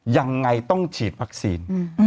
ยังไงต้องฉีดวัคซีน